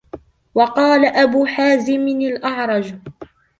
وَقَالَ أَبُو حَازِمٍ الْأَعْرَجُ